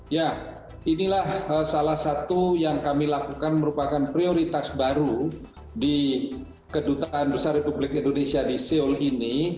ya inilah salah satu yang kami lakukan merupakan prioritas baru di kedutaan besar republik indonesia di seoul ini